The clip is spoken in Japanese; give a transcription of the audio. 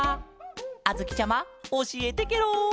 あづきちゃまおしえてケロ！